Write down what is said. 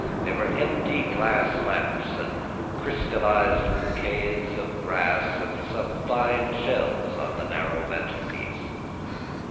There were empty glass lamps and crystallized bouquets of grass and some fine shells on the narrow mantelpiece.